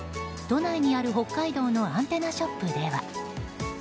都内にある北海道のアンテナショップでは。